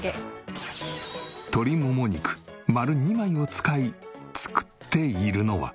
鶏もも肉丸２枚を使い作っているのは。